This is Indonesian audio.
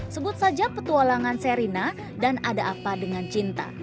sebut saja petualangan serina dan ada apa dengan cinta